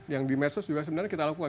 yang di medsos juga sebenarnya kita lakukan